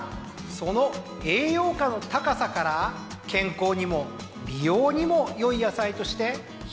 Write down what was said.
その栄養価の高さから健康にも美容にも良い野菜として広く知られています。